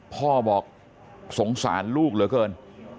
พ่อบอกสงสารลูกเหลือเกิน